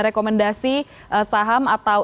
rekomendasi saham atau